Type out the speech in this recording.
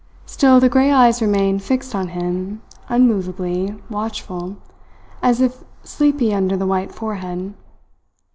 Still the grey eyes remained fixed on him unmovably watchful, as if sleepy under the white forehead.